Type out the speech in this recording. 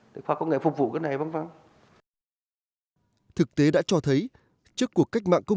để khoa học công nghệ phục vụ cái này vắng vắng thực tế đã cho thấy trước cuộc cách mạnh công